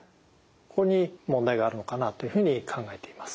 ここに問題があるのかなというふうに考えています。